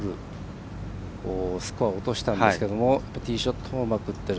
前のホールをスコアを落としたんですけどティーショットもうまく打ってる。